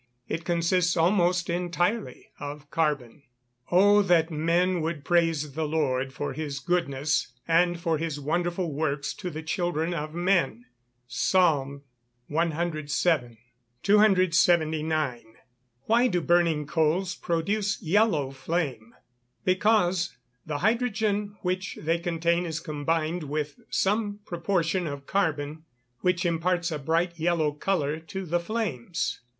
It consists almost entirely of carbon. [Verse: "Oh that men would praise the Lord for his goodness, and for his wonderful works to the children of men." PSALM CVII.] 279. Why do burning coals produce yellow flame? Because the hydrogen which they contain is combined with some proportion of carbon, which imparts a bright yellow colour to the flames.